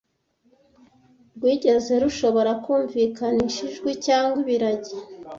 rwigeze rushobora kumvikanisha ijwi cyangwa ibiragi